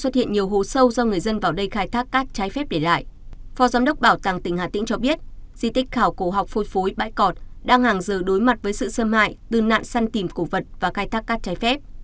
trái phép để lại phó giám đốc bảo tàng tỉnh hà tĩnh cho biết di tích khảo cổ học phôi phối bãi cọt đang hàng giờ đối mặt với sự xâm hại từ nạn săn tìm cổ vật và cai thác cát trái phép